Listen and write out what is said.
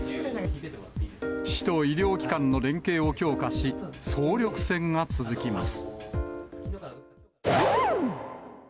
市と医療機関の連携を強化し、総力戦が続きます。